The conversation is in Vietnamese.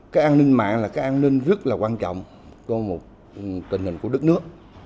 cái an ninh mạng là cái an ninh rất là quan trọng trong một tình hình của đất nước